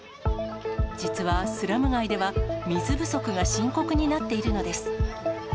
実はスラム街では水不足が深刻になっているのです。